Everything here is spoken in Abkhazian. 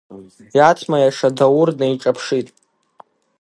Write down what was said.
Иаҭма иаша Даур днеиҿаԥшит.